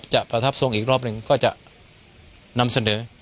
ประทับทรงอีกรอบหนึ่งก็จะนำเสนอ